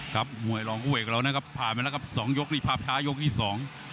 ครับมวยลองอ้วยกันแล้วนะครับผ่านไปแล้วครับสองยกนี้พาพย้ายกที่สอง